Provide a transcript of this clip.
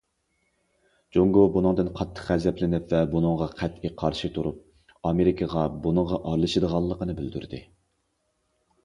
جۇڭگو بۇنىڭدىن قاتتىق غەزەپلىنىپ ۋە بۇنىڭغا قەتئىي قارشى تۇرۇپ، ئامېرىكىغا بۇنىڭغا ئارىلىشىدىغانلىقىنى بىلدۈردى.